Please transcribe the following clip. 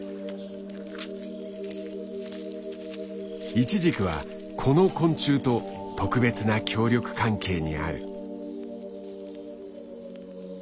イチジクはこの昆虫と特別な協力関係にある。